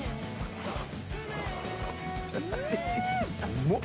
うまっ。